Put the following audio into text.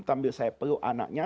sambil saya peluk anaknya